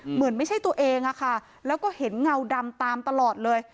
เหมือนไม่ใช่ตัวเองอะค่ะแล้วก็เห็นเงาดำตามตลอดเลย